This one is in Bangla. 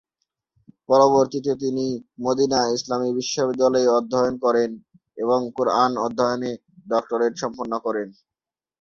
পরবর্তীতে তিনি মদিনা ইসলামি বিশ্ববিদ্যালয়ে অধ্যয়ন করেন এবং কুরআন অধ্যয়নে ডক্টরেট সম্পন্ন করেন।